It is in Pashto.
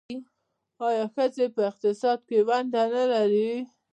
آیا ښځې په اقتصاد کې ونډه نلري؟